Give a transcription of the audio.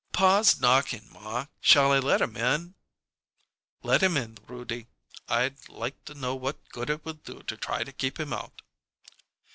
"Pa's knocking, ma! Shall I let him in?" "Let him in, Roody. I'd like to know what good it will do to try to keep him out."